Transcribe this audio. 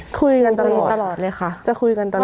คุยกันตลอดเลยค่ะจะคุยกันตลอด